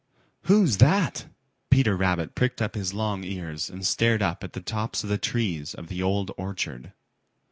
"Who's that?" Peter Rabbit pricked up his long ears and stared up at the tops of the trees of the Old Orchard.